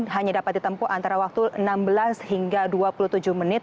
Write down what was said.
dan hanya dapat ditempuh antara waktu enam belas hingga dua puluh tujuh menit